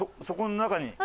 そこの中に？